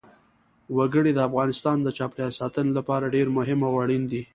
وګړي د افغانستان د چاپیریال ساتنې لپاره ډېر مهم او اړین دي.